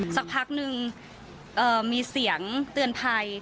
สักพักนึงมีเสียงเตือนภัย